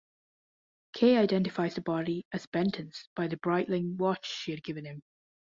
Kay identifies the body as Benton's by the Breitling watch she had given him.